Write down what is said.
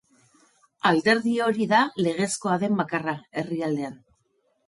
Alderdi hori da legezkoa den bakarra, herrialdean.